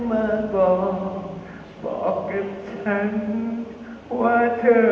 อย่ามาห้ามฉันร้องไห้และเสียใจ